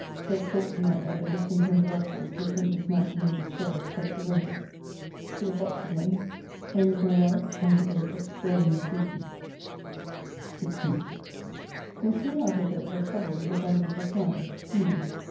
Great talk to night that the discontented officers did think this night to make a stir, but prevented. To the Fox again. Home with my wife, and to bed extraordinary sleepy. 16th. No sooner out of bed but troubled with abundance of clients, seamen.